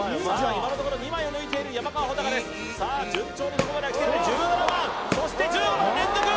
今のところ２枚を抜いている山川穂高ですさあ順調にここまではきてる１７番そして１５番連続！